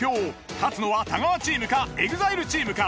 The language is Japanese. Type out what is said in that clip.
勝つのは太川チームかＥＸＩＬＥチームか。